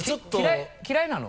嫌いなの？